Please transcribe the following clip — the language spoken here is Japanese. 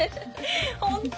本当！？